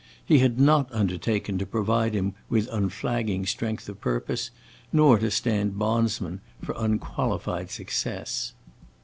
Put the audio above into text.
He had not undertaken to provide him with unflagging strength of purpose, nor to stand bondsman for unqualified success.